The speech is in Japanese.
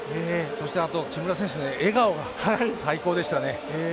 そして、あと木村選手の笑顔が最高でしたね。